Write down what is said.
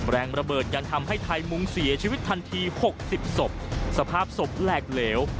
แรงระเบิดยังทำให้ไทยมุงเสียชีวิตทันที๖๐ศพสภาพศพแหลกเหลว